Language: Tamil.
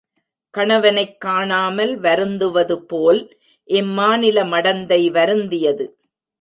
கணவனைக் காணாமல் வருந்துவது போல் இம்மாநில மடந்தை வருந்தியது.